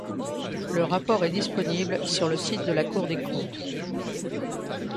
Le rapport est disponible sur le site de la Cour des Comptes.